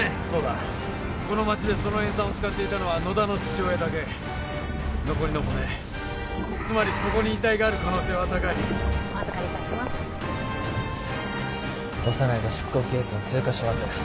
そうだこの町でその塩酸を使っていたのは野田の父親だけ残りの骨つまりそこに遺体がある可能性は高いお預かりいたします